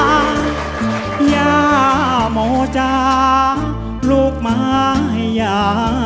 หญ้าโมจาลูกมายา